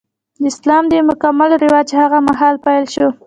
د اسلام دین مکمل رواج هغه مهال پیل شو.